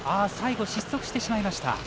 最後、失速してしまいました。